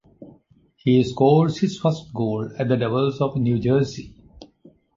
He scores his first goal at the Devils of New Jersey.